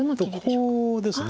ここです。